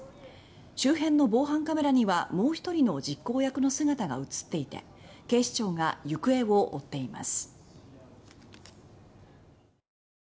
周辺の防犯カメラにはもう１人の実行役の姿が映っていて警視庁が行方を追っています。